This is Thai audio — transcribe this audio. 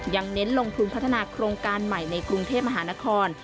เน้นลงทุนพัฒนาโครงการใหม่ในกรุงเทพมหานคร